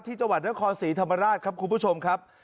ที่จังหวัดนครศรีธรรมราชครับคุณผู้ชมครับ